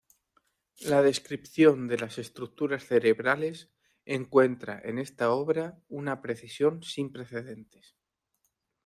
La descripción de las estructuras cerebrales encuentra en esta obra una precisión sin precedentes.